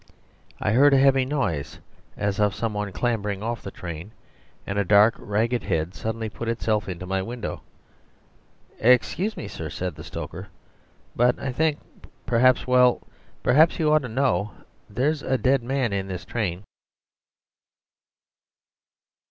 I heard a heavy noise as of some one clambering off the train, and a dark, ragged head suddenly put itself into my window. "Excuse me, sir," said the stoker, "but I think, perhaps well, perhaps you ought to know there's a dead man in this train."